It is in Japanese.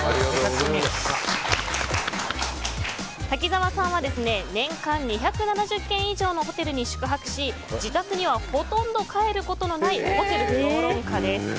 瀧澤さんは年間２７０軒以上のホテルに宿泊し自宅にはほとんど帰ることのないホテル評論家です。